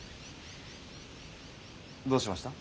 どうしました？